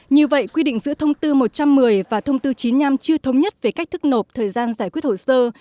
như vậy quy định giữa thông tư một trăm một mươi và thông tư chín mươi năm chưa thống nhất về cách thức nộp thời gian giải quyết hồ sơ